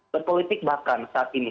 berpolitik bahkan saat ini